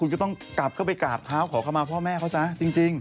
คุณก็ต้องกลับเข้าไปกราบเท้าขอเข้ามาพ่อแม่เขาซะจริง